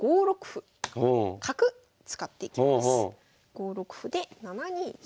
５六歩で７二銀。